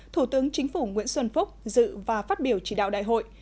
thủ tướng chính phủ nguyễn xuân phúc dự và phát biểu chỉ đạo đại hội